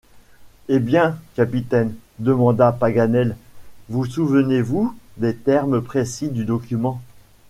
Eh bien, capitaine, demanda Paganel, vous souvenez-vous des termes précis du document?